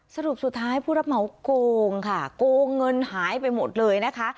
สรุปสุดท้ายผู้รับเหมาโกงค่ะโกงเงินหายไปหมดเลยนะคะ